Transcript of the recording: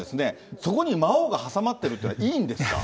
そこに魔王が挟まってるっていうのは、いいんですか？